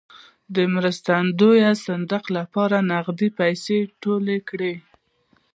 د مرستندویه صندوق لپاره نغدې پیسې ټولې کړې.